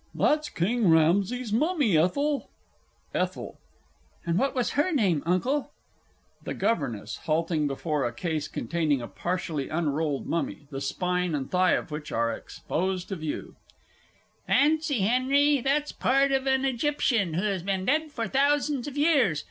That's King Rameses' mummy, Ethel. ETHEL. And what was her name, Uncle? THE GOVERNESS (halting before a case containing a partially unrolled mummy, the spine and thigh of which are exposed to view). Fancy, Henry, that's part of an Egyptian who has been dead for thousands of years!